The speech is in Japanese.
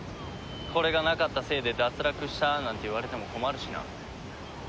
これがなかったせいで脱落したなんて言われても困るしな。